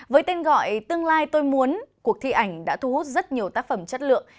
với tên gọi tương lai tôi muốn cuộc thi ảnh đã thu hút rất nhiều tác phẩm chất lượng